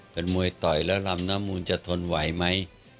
เป็นมวยต่อยแล้วลำน้ำมูลจะทนไหวไหม